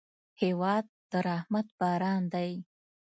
هېواد د رحمت باران دی.